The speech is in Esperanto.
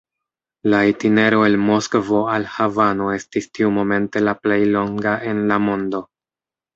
La itinero el Moskvo al Havano estis tiumomente la plej longa en la mondo.